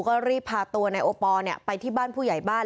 ก็รีบพาตัวนายโอปอลไปที่บ้านผู้ใหญ่บ้าน